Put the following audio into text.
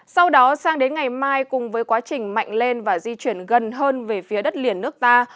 sau đó sang đến ngày mai cùng với quá trình mạnh lên và di chuyển gần hơn về phía đất liền nước ta